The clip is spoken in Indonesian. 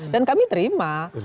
dan kami terima